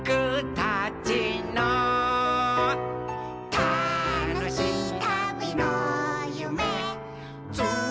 「たのしいたびのゆめつないでる」